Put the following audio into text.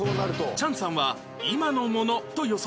チャンさんは今のものと予想